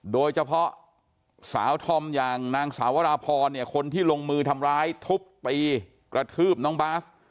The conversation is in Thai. โดยเฉพาะสาวธอมอย่างนางสาวราพรเนี่ยคนที่ลงมือทำร้ายทุบตีกระทืบน้องบาส